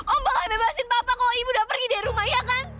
om bakal bebasin bapak kalau ibu udah pergi dari rumah ya kan